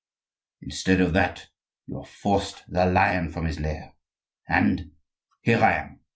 Instead of that, you have forced the lion from his lair and—here I am!"